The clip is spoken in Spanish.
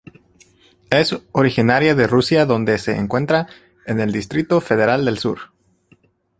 Es originaria de Rusia donde se encuentra en el Distrito federal del Sur.